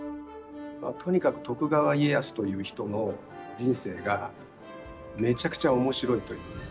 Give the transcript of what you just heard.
とにかく徳川家康という人の人生がめちゃくちゃ面白いということに尽きるんですけど。